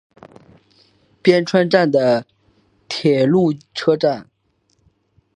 边川站的铁路车站。